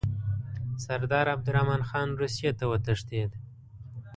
سردار عبدالرحمن خان روسیې ته وتښتېد.